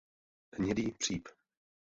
Hnědý příp.